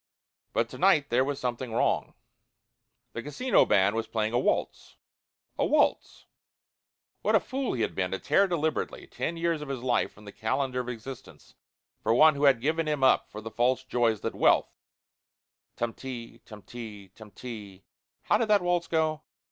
But to night there was something wrong. The casino band was playing a waltz a waltz. What a fool he had been to tear deliberately ten years of his life from the calendar of existence for one who had given him up for the false joys that wealth "tum ti tum ti tum ti" how did that waltz go?